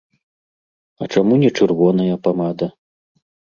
А чаму не чырвоная памада?